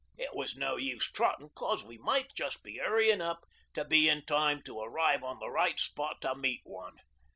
It was no use trottin' 'cos we might just be hurryin' up to be in time to arrive on the right spot to meet one.